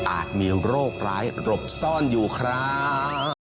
อาจมีโรคร้ายหลบซ่อนอยู่คร้าว